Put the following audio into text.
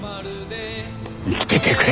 生きててくれ。